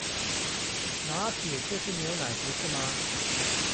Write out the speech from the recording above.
「拿鐵」就是牛奶不是嗎？